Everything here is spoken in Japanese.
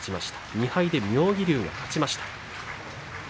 ２敗で妙義龍が勝ちました。